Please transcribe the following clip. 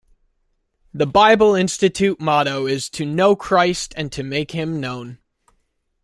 The Bible Institute motto is "To know Christ and to make Him known".